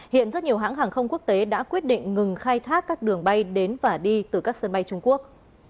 hiện rất nhiều hãng hàng không quốc tế đã quyết định ngừng khai thác các đường bay đến và đi từ các sân bay trung quốc